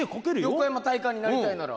横山大観になりたいなら。